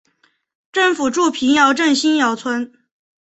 政府驻瓶窑镇新窑村。